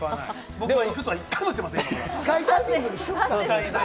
僕は行くとは１回も言ってません。